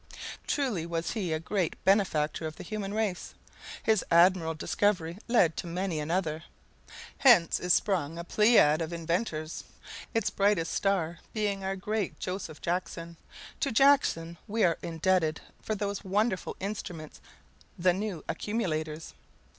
Truly was he a great benefactor of the human race. His admirable discovery led to many another. Hence is sprung a pleiad of inventors, its brightest star being our great Joseph Jackson. To Jackson we are indebted for those wonderful instruments the new accumulators.